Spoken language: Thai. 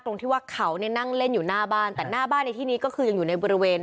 ตรงที่ว่าเขาเนี่ยนั่งเล่นอยู่หน้าบ้านแต่หน้าบ้านในที่นี้ก็คือยังอยู่ในบริเวณ